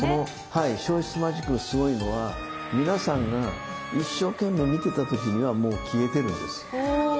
消失マジックのすごいのは皆さんが一生懸命見てた時にはもう消えてるんです。